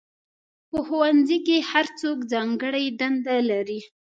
په ښوونځي کې هر څوک ځانګړې دندې لري.